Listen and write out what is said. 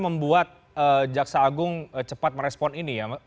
membuat jaksa agung cepat merespon ini ya